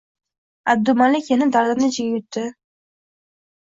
Abdumalik yana dardini ichiga yutdi